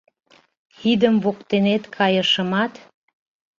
Идым воктенет кайышымат -